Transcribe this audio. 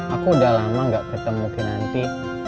aku udah lama gak ketemu dinanti